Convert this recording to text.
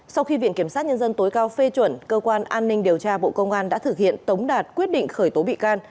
sau khi viện kiểm sát nhân dân tối cao phê chuẩn cơ quan an ninh điều tra bộ công an đã thực hiện tống đạt quyết định khởi tố bị can